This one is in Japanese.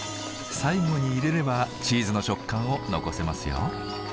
最後に入れればチーズの食感を残せますよ。